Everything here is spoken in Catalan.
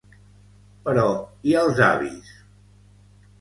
Però, i els avis?